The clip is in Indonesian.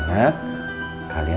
nunggu aja kan